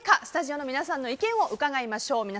スタジオの皆さんの意見を伺いましょう。